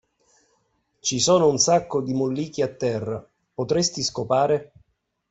Ci sono un sacco di molliche a terra, potresti scopare?